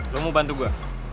lo mau bantu gue